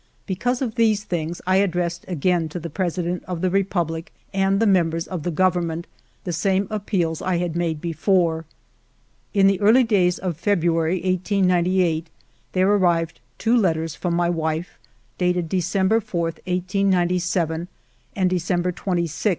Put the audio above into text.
Because of these things I addressed again to the President of the Republic and the members of the Government the same appeals I had made before. In the early days of February, 1898, there arrived two letters from my wife, dated December 4, 1897, and December 26, 1897.